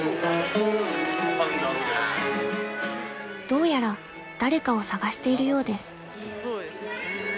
［どうやら誰かを捜しているようです］